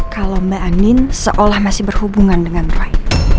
kalo mbak andin seolah masih berhubungan dengan roy